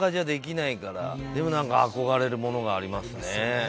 でもなんか憧れるものがありますね。